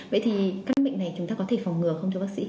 vậy thì các bệnh này chúng ta có thể phòng ngừa không chú bác sĩ